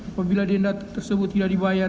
apabila denda tersebut tidak dibayar